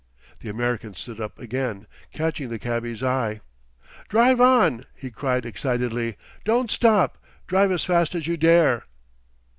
The American stood up again, catching the cabby's eye. "Drive on!" he cried excitedly. "Don't stop drive as fast as you dare!"